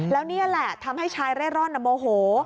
แล้วนี่แหละทำให้ชายเร่ร่อนโมโห